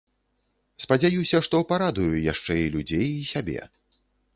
Спадзяюся, што парадую яшчэ і людзей, і сябе!